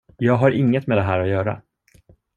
Jag har inget med det här att göra.